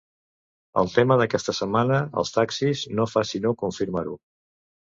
El tema d’aquesta setmana, els taxis, no fa sinó confirmar-ho.